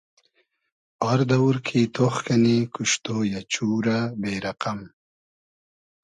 آر دئوور کی تۉخ کئنی کوشتۉ یۂ , چورۂ بې رئقئم